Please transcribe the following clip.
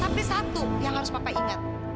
tapi satu yang harus bapak ingat